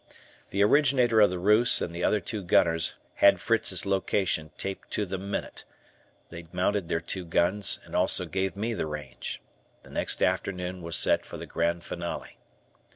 The originator of the ruse and the other two gunners had Fritz's location taped to the minute; they mounted their two guns, and also gave me the range. The next afternoon was set for the grand finale.